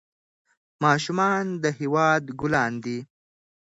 ماشومان د هېواد ګلان دي.